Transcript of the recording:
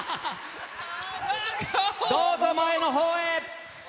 どうぞ前のほうへ。